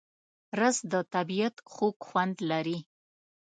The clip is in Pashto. رس د طبیعت خوږ خوند لري